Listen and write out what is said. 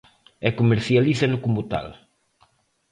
E comercialízano como tal.